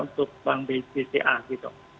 untuk bank bbca gitu